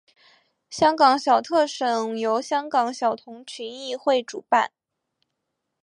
香港小特首由香港小童群益会主办。